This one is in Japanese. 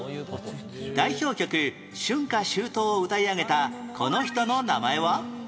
代表曲『春夏秋冬』を歌い上げたこの人の名前は？